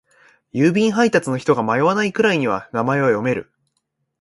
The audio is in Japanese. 郵便配達の人が迷わないくらいには名前は読める。